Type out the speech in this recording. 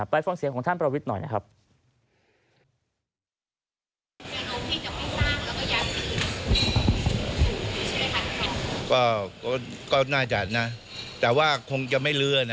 ฟังเสียงของท่านประวิทย์หน่อยนะครับ